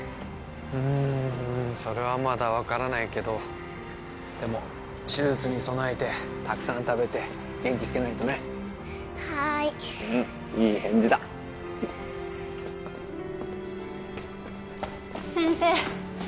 うーんそれはまだ分からないけどでも手術に備えてたくさん食べて元気つけないとねはーいうんいい返事だ先生